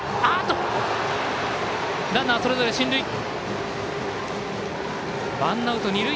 ランナー、それぞれ進塁。